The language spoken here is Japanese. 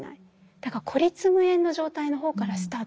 だから孤立無縁の状態の方からスタートするんです。